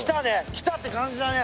来たって感じだね。